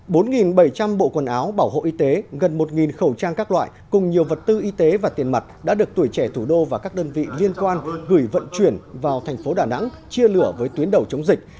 bốn bảy trăm linh bộ quần áo bảo hộ y tế gần một khẩu trang các loại cùng nhiều vật tư y tế và tiền mặt đã được tuổi trẻ thủ đô và các đơn vị liên quan gửi vận chuyển vào thành phố đà nẵng chia lửa với tuyến đầu chống dịch